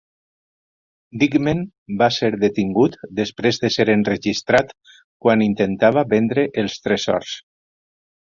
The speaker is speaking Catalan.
Dikmen va ser detingut després de ser enregistrat quan intentava vendre els tresors.